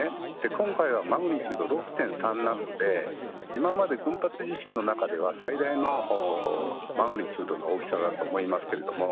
今回はマグニチュード６．３なので今まで群発地震の中では最大のマグニチュードの大きさだと思いますけれども。